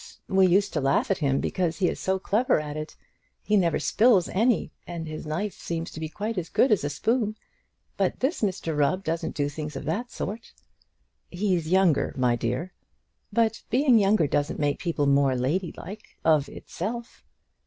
We used to laugh at him, because he is so clever at it. He never spills any; and his knife seems to be quite as good as a spoon. But this Mr Rubb doesn't do things of that sort." "He's younger, my dear." "But being younger doesn't make people more ladylike of itself."